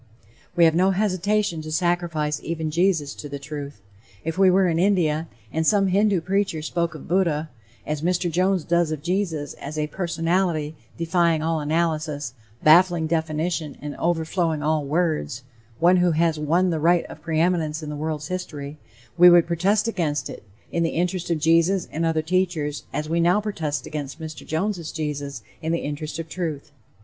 We have no hesitation to sacrifice even Jesus to the Truth. If we were in India, and some Hindoo preacher spoke of Buddha, as Mr. Jones does of Jesus, as a "personality defying all analysis, baffling definition and overflowing all words" one who has "won the right to preeminence in the world's history," we would protest against it, in the interest of Jesus and other teachers, as we now protest against Mr. Jones' Jesus, in the interest of truth.